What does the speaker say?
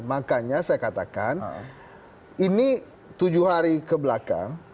makanya saya katakan ini tujuh hari kebelakang